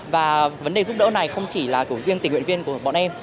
và vấn đề giúp đỡ này không chỉ là của riêng tình nguyện viên của bọn em